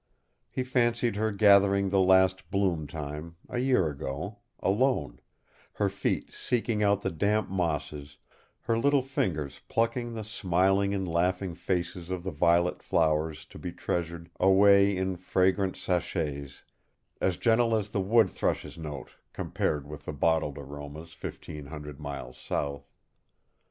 He fancied her gathering them last bloom time, a year ago, alone, her feet seeking out the damp mosses, her little fingers plucking the smiling and laughing faces of the violet flowers to be treasured away in fragrant sachets, as gentle as the wood thrush's note, compared with the bottled aromas fifteen hundred miles south.